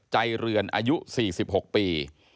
เรือนอายุ๔๖ปี